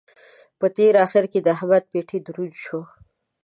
په تېره اخېر د احمد پېټی دروند شو.